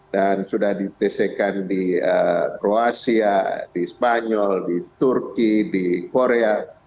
dan sudah di tesekan di kroasia di spanyol di turki di korea